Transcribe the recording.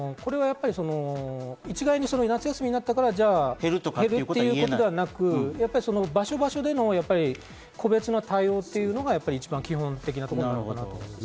一概に夏休みになったから、減るということではなく、場所場所での個別な対応をしているのが一番基本的なところなのかなと。